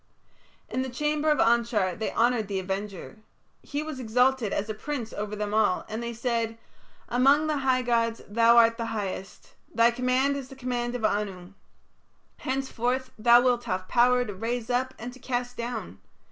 In the chamber of Anshar they honoured the Avenger. He was exalted as a prince over them all, and they said: "Among the high gods thou art the highest; thy command is the command of Anu. Henceforth thou wilt have power to raise up and to cast down.